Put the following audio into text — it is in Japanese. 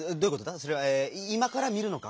それはいまからみるのか？